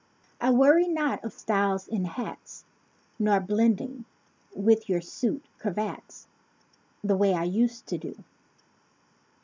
I worry not of styles in hats; Nor blending with your suit cravats The way I used to do.